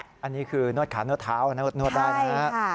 อันนี้คือนวดขานวดเท้านวดได้นะฮะ